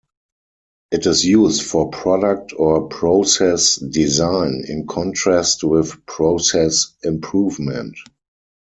It is used for product or process "design" in contrast with process "improvement".